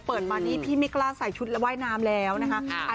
เปิดมานี่พี่ไม่กล้าใส่ชุดและว่ายน้ำแล้วนะคะ